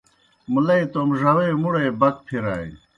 مُلئی توموْ ڙاوے مُڑے بک پِرانیْ۔